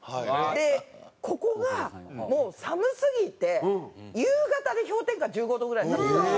でここがもう寒すぎて夕方で氷点下１５度ぐらいになってたんですよ。